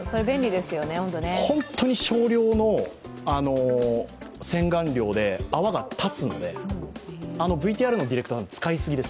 本当に少量の洗顔料で泡が立つんで、ＶＴＲのディレクター、使いすぎです。